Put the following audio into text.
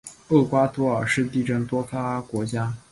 厄瓜多尔是地震多发国家。